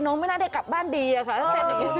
น้องน้องไม่น่าได้กลับบ้านดีถ้าเต้นนี้